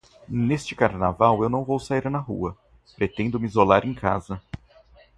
Neste Carnaval eu não vou sair na rua, pretendo me isolar em casa.